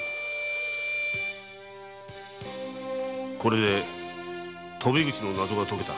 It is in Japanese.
これで鳶口の謎が解けた。